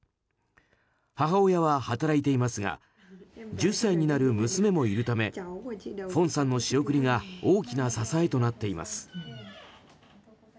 母親は働いていますが１０歳になる娘もいるためフォンさんの仕送りが大きな支えとなっています。